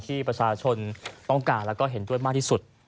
ที่ประชาชนต้องการแล้วก็เห็นด้วยมากที่สุด